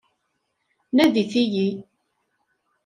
Nadit-iyi.